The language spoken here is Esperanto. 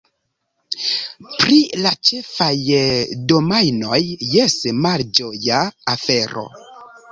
Pri la ĉefaj domajnoj, jes, malĝoja afero.